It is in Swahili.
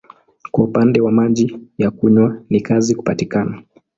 Kwa upande wa maji ya kunywa ni kazi kupatikana.